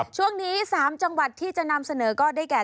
ช่วงนี้๓จังหวัดที่จะนำเสนอก็ได้แก่